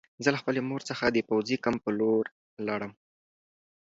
زه له خپلې مور څخه د پوځي کمپ په لور لاړم